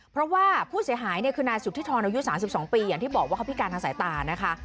เพราะว่าผู้เสียหายเนี่ยคือนายสุธิธรอายุ๓๒ปีอย่างที่บอกว่าเขาพิการทางสายตานะคะ